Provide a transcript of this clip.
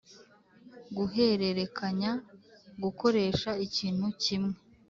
guhererekanya: gukoresha ikintu kimwe